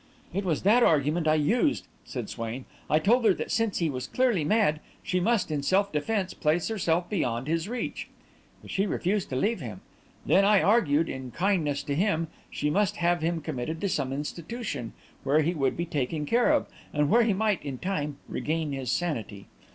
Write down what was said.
"It was that argument I used," said Swain. "I told her that, since he was clearly mad, she must, in self defence, place herself beyond his reach. But she refused to leave him. Then, I argued, in kindness to him she must have him committed to some institution where he would be taken care of, and where he might, in time, regain his sanity.